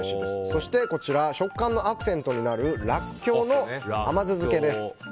そしてこちら食感のアクセントになるラッキョウの甘酢漬けです。